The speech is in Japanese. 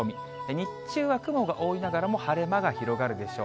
日中は雲が多いながらも晴れ間が広がるでしょう。